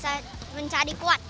soalnya bisa mencari kuat